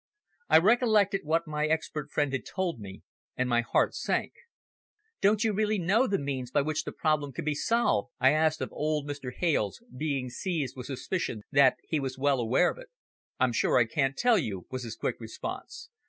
I recollected what my expert friend had told me, and my heart sank. "Don't you really know now the means by which the problem can be solved?" I asked of old Mr. Hales, being seized with suspicion that he was well aware of it. "I'm sure I can't tell you," was his quick response.